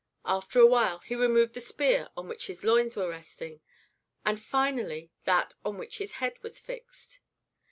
After a while he removed the spear on which his loins were resting, and finally that on which his head was fixed.